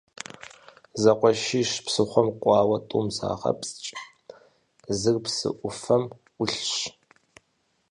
Зэкъуэшищ псыхъуэм кӀуауэ, тӀум загъэпскӀ, зыр псы Ӏуфэм Ӏулъщ.